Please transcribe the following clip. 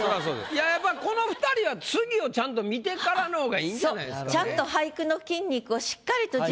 いややっぱこの二人は次をちゃんと見てからの方が良いんじゃないですかね。